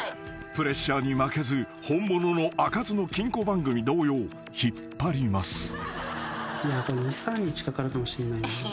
［プレッシャーに負けず本物の開かずの金庫番組同様引っ張ります］